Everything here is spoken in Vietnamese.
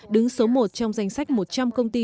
đứng số một trong danh sách một trăm linh công ty